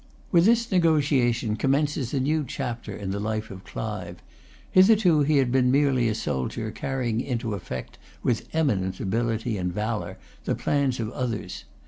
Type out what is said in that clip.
With this negotiation commences a new chapter in the life of Clive. Hitherto he had been merely a soldier carrying into effect, with eminent ability and valour, the plans of others.